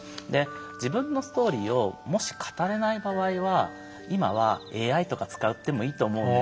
自分のストーリーをもし語れない場合は今はＡＩとか使ってもいいと思うんだよね。